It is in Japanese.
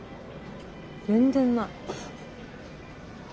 全然ない。